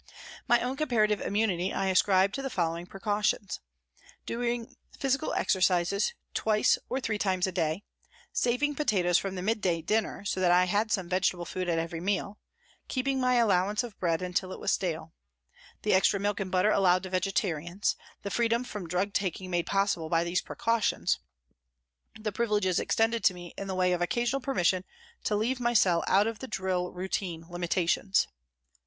My own comparative immunity I ascribe to the following precautions : Doing physical exercises twice or three times a day, saving potatoes from the midday dinner so that I had some vegetable food at every meal ; keeping my allowance of bread until it was stale ; the extra milk and butter allowed to vegetarians ; the freedom from drug taking made possible by these precau tions ; the privileges extended to me in the way of occasional permission to leave my cell out of the drill routine limitations.